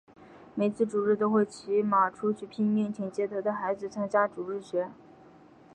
每次主日都会骑马出去拼命请街头的孩子参加主日学。